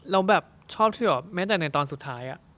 แล้วแบบชอบที่แบบแม้แต่ในตอนสุดท้าย